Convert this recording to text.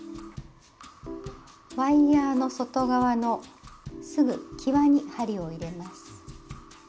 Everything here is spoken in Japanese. ワイヤーの外側のすぐきわに針を入れます。